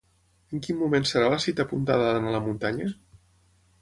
En quin moment serà la cita apuntada d'anar a la muntanya?